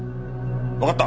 わかった。